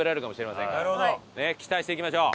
期待していきましょう！